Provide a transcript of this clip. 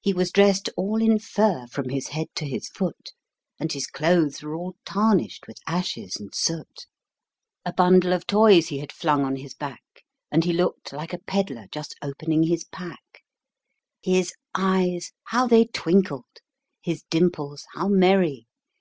He was dressed all in fur from his head to his foot, And his clothes were all tarnished with ashes and soot; A bundle of toys he had flung on his back, And he looked like a peddler just opening his pack; His eyes how they twinkled! his dimples how merry!